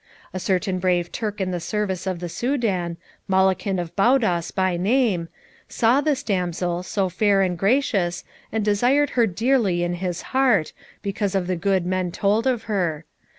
A certain brave Turk in the service of the Soudan Malakin of Baudas by name saw this damsel, so fair and gracious, and desired her dearly in his heart, because of the good men told of her.